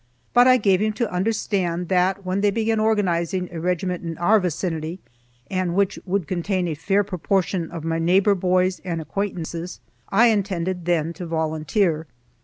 But I gave him to understand that when they began organizing a regiment in our vicinity, and which would contain a fair proportion of my neighbor boys and acquaintances, I intended then to volunteer.